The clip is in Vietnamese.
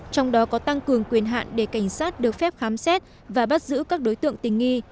trong đó có tăng cường quyền hạn để cảnh sát được phép khám xét và bắt giữ các đối tượng tình nghi